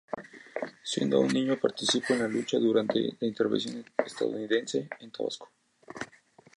Siendo aún niño participó en la lucha durante la Intervención estadounidense en Tabasco.